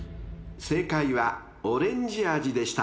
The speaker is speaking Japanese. ［正解はオレンジ味でした］